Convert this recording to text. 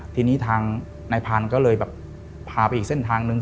ทีนี้ทางนายพันธุ์ก็เลยแบบพาไปอีกเส้นทางนึง